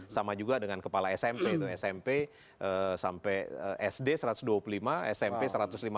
sama juga dengan kepala smp itu smp sampai sd satu ratus dua puluh lima smp satu ratus lima puluh